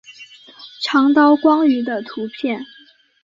长刀光鱼的图片